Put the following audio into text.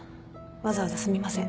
わざわざすみません。